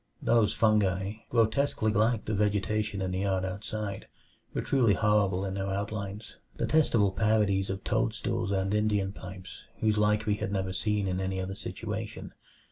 Those fungi, grotesquely like the vegetation in the yard outside, were truly horrible in their outlines; detestable parodies of toadstools and Indian pipes, whose like we had never seen in any other situation.